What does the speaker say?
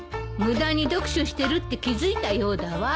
無駄に読書してるって気付いたようだわ。